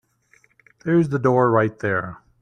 There's the door right there.